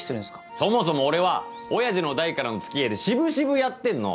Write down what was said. そもそも俺はおやじの代からの付き合いで渋々やってんの。